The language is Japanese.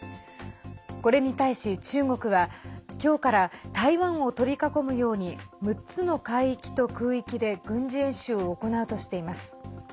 これに対し、中国は今日から台湾を取り囲むように６つの海域と空域で軍事演習を行うとしています。